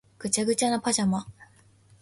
ぐちゃぐちゃなパジャマ